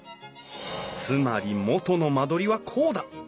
つまり元の間取りはこうだ。